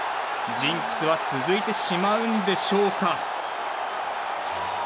ジンクスは続いてしまうんでしょうか。